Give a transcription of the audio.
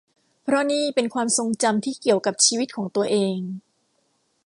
เพราะนี่เป็นความทรงจำที่เกี่ยวกับชีวิตของตัวเอง